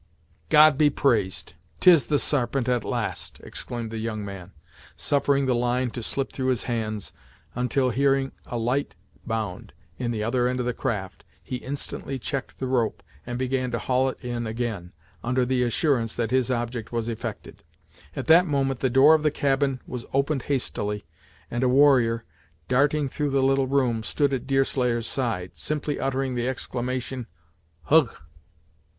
"God be praised, 'tis the Sarpent, at last!" exclaimed the young man, suffering the line to slip through his hands, until hearing a light bound, in the other end of the craft, he instantly checked the rope, and began to haul it in, again, under the assurance that his object was effected. At that moment the door of the cabin was opened hastily, and, a warrior, darting through the little room, stood at Deerslayer's side, simply uttering the exclamation "Hugh!"